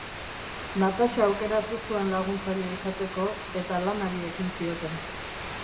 Nataxa aukeratu zuen laguntzaile izateko, eta lanari ekin zioten.